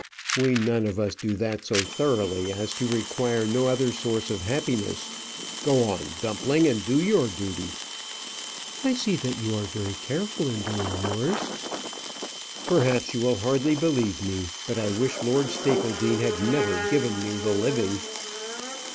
"We none of us do that so thoroughly as to require no other source of happiness. Go on, Dumpling, and do your duty." "I see that you are very careful in doing yours." "Perhaps you will hardly believe me, but I wish Lord Stapledean had never given me the living."